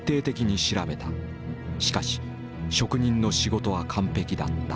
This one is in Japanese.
しかし職人の仕事は完璧だった。